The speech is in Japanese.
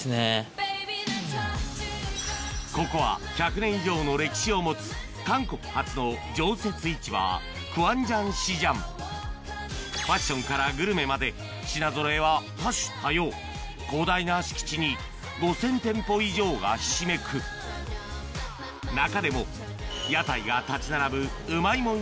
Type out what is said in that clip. ここは１００年以上の歴史を持つ韓国初の常設市場ファッションからグルメまで品ぞろえは多種多様広大な敷地に中でも屋台が立ち並ぶ